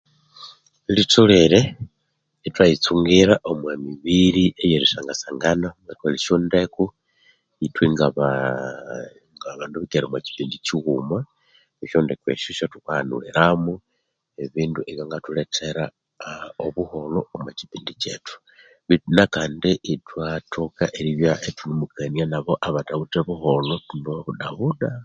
Litholere ithwayitsungira omwa mibiri eyerisangasangana erikolha esyondeko ithwe ngabaaabandu abikere omwa kipindi kighuma esyondeko esyo syathukahanuliramo ebindu ebyangathuletera aa obuholho baithu nkandi ithunemukania nabandu abathawithe buholho ithunemubabudabuda